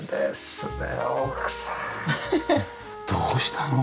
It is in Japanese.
どうしたの？